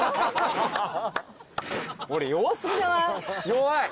弱い。